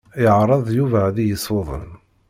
Yeɛṛeḍ Yuba ad iyi-ssuden.